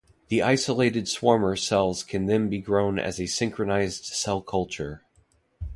The isolated swarmer cells can then be grown as a synchronized cell culture.